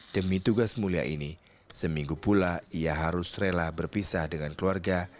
demi tugas mulia ini seminggu pula ia harus rela berpisah dengan keluarga